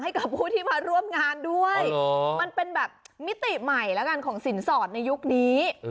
ให้กับผู้ที่มาร่วมงานด้วยมันเป็นแบบมิติใหม่แล้วกันของสินสอดในยุคนี้